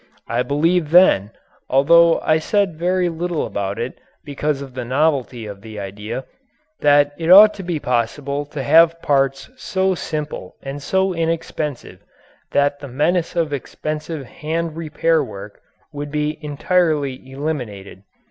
I believed then, although I said very little about it because of the novelty of the idea, that it ought to be possible to have parts so simple and so inexpensive that the menace of expensive hand repair work would be entirely eliminated.